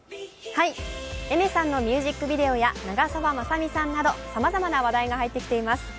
Ａｉｍｅｒさんのミュージックビデオや長澤まさみさんなどさまざまな話題が入ってきています。